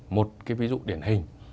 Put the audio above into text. một cái ví dụ điển hình